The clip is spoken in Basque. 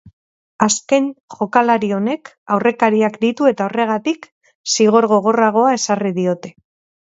Azken jokalari honek aurrekariak ditu eta horregatik zigor gogorragoa ezarri diote.